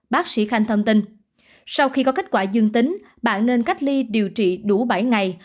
bác sĩ khanh thông tin sau khi có kết quả dương tính bạn nên cách ly điều trị đủ bảy ngày